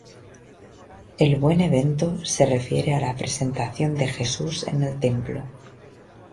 El "Buen Evento" se refiere a la Presentación de Jesús en el Templo.